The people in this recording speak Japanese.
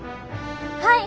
はい！